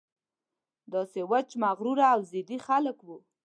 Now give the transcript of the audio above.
داسې وچ مغروره او ضدي خلک وو.